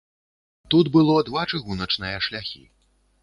Тут было два чыгуначныя шляхі.